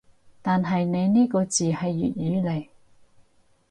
但係你呢個字係粵語嚟